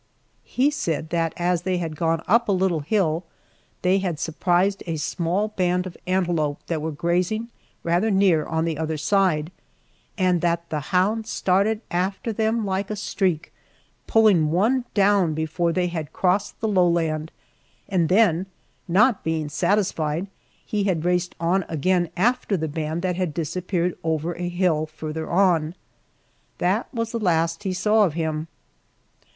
He said that as they had gone up a little hill, they had surprised a small band of antelope that were grazing rather near on the other side, and that the hound started after them like a streak, pulling one down before they had crossed the lowland, and then, not being satisfied, he had raced on again after the band that had disappeared over a hill farther on. That was the last he saw of him.